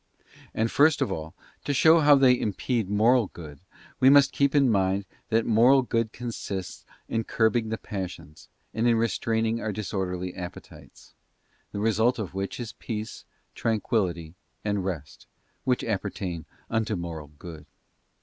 And, first of all, to show how they impede moral good, we rem st must keep in mind, that moral good consists in curbing the passions, and in restraining our disorderly appetites; the result of which is peace, tranquillity, and rest, which apper tain unto moral good.